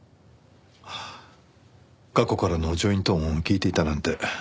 過去からのジョイント音を聴いていたなんて。